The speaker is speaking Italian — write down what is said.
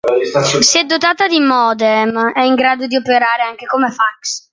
Se è dotata di modem, è in grado di operare anche come fax.